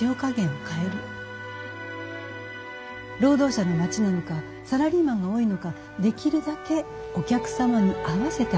労働者の町なのかサラリーマンが多いのかできるだけお客様に合わせた味を心がける。